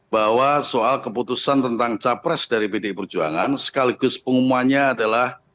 bahwa soal keputusan tentang capres dari pdi perjuangan sekaligus pengumumannya adalah